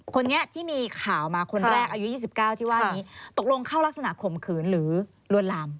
คนนี้ที่มีข่าวมาคนแรกอายุ๒๙ที่ว่านี้ตกลงเข้ารักษณะข่มขืนหรือลวนลาม